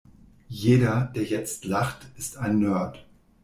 Jeder, der jetzt lacht, ist ein Nerd.